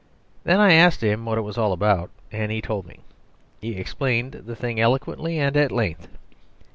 Then I asked him what it was all about, and he told me. He explained the thing eloquently and at length.